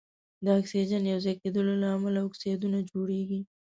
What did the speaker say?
د اکسیجن یو ځای کیدلو له امله اکسایدونه جوړیږي.